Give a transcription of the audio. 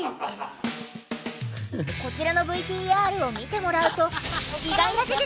こちらのＶＴＲを見てもらうと意外な事実？